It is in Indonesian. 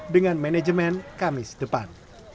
dengan manajemen kamis depan